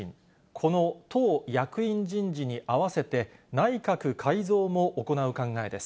この党役員人事に合わせて、内閣改造も行う考えです。